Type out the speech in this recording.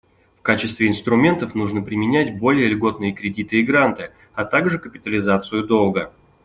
В качестве инструментов нужно применять более льготные кредиты и гранты, а также капитализацию долга.